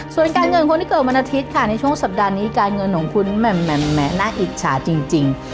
ส่วนการเงินคนที่เกิดวันอาทิตย์ค่ะในช่วงสัปดาห์นี้การเงินของคุณแหมน่าอิจฉาจริง